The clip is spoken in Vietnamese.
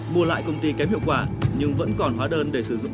mua lại công ty kém hiệu quả nhưng vẫn còn hóa đơn để sử dụng